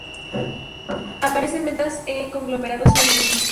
Aparece en vetas en conglomerados y areniscas.